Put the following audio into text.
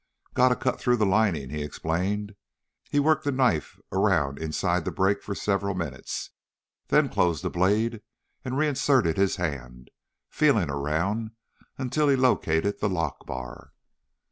"Got to cut through the lining," he explained. He worked the knife around inside the break for several minutes, then closed the blade and reinserted his hand, feeling around until he located the lockbar.